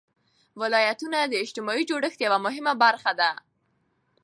ولایتونه د اجتماعي جوړښت یوه مهمه برخه ده.